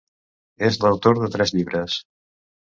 És l'autor de tres llibres.